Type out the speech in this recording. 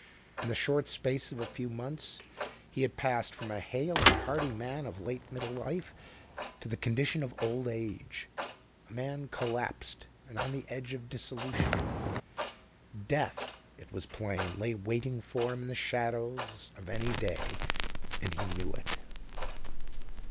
In the short space of a few months he had passed from a hale and hearty man of late middle life to the condition of old age a man collapsed and on the edge of dissolution. Death, it was plain, lay waiting for him in the shadows of any day and he knew it.